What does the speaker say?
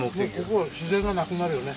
ここは自然がなくなるよね。